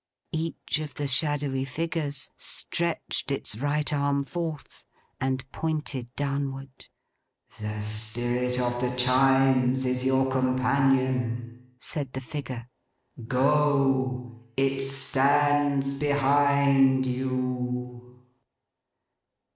Each of the shadowy figures stretched its right arm forth, and pointed downward. 'The Spirit of the Chimes is your companion,' said the figure. 'Go! It stands behind you!